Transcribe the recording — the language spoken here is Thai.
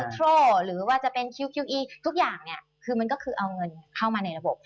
คือมันก็คือเอาเงินเข้ามาในระบบ